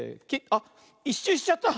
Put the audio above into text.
あっ１しゅうしちゃった。